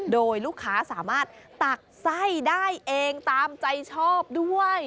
โดยลูกค้าสามารถตักไส้ได้เองตามใจชอบด้วย